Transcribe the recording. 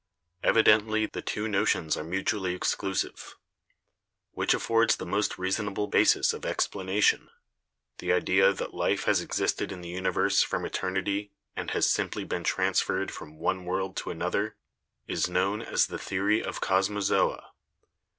Evidently the two notions are mutually exclusive. Which affords the most reasonable basis of explanation? The idea that life has existed in the universe from eternity and has simply been transferred from one world to another is known as the theory of 'cosmozoa.'